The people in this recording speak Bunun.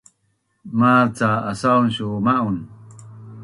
Maz ca asaun su ma’un?